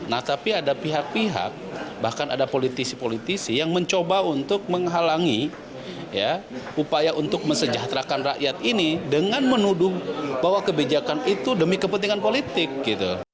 nah tapi ada pihak pihak bahkan ada politisi politisi yang mencoba untuk menghalangi upaya untuk mesejahterakan rakyat ini dengan menuduh bahwa kebijakan itu demi kepentingan politik gitu